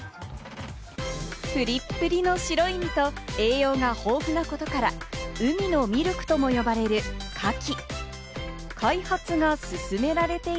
プリップリの白い身と栄養が豊富なことから、海のミルクとも呼ばれるカキ。